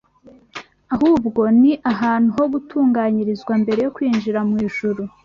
ahubwo ni ahantu ho gutunganyirizwa mbere yo kwinjira mu ijuru